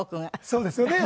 そうですよね。